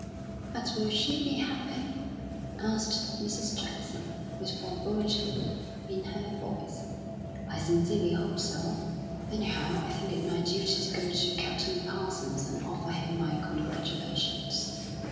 "But will she be happy?" asked Mrs. Jackson, with foreboding in her voice. "I sincerely hope so. Anyhow, I think it my duty to go to Captain Parsons and offer him my congratulations."